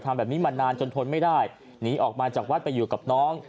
ทำแบบนี้มานานจนทนไม่ได้หนีออกมาจากวัดไปอยู่กับน้อง